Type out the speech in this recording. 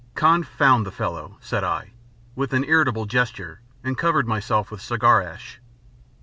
"Confound the fellow," said I, with an irritable gesture and covered myself with cigar ash.